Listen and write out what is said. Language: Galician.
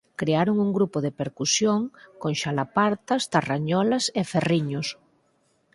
Crearon un grupo de percusión con txalapartas, tarrañolas e ferriños